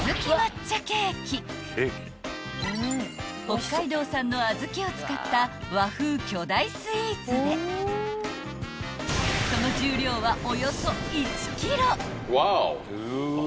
［北海道産の小豆を使った和風巨大スイーツでその重量はおよそ１ｋｇ！］